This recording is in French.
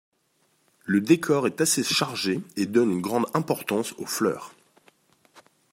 Le décor est assez chargé et donne une grande importance aux fleurs.